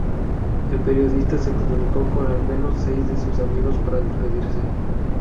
El periodista se comunicó con al menos seis de sus amigos para despedirse.